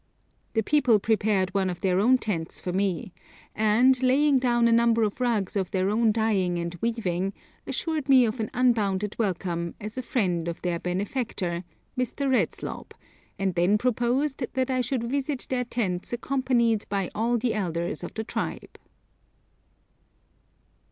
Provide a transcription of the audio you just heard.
The people prepared one of their own tents for me, and laying down a number of rugs of their own dyeing and weaving, assured me of an unbounded welcome as a friend of their 'benefactor,' Mr. Redslob, and then proposed that I should visit their tents accompanied by all the elders of the tribe.